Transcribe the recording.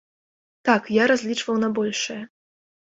Так, я разлічваў на большае.